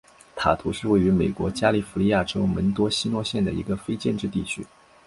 塔图是位于美国加利福尼亚州门多西诺县的一个非建制地区。